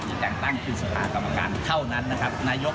แต่งตั้งขึ้นสภากรรมการเท่านั้นนะครับนายก